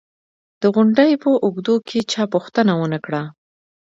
د غونډې په اوږدو کې چا پوښتنه و نه کړه